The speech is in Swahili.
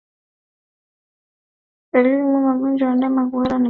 Dalili muhimu ya ugonjwa wa ndama kuhara ni kukonda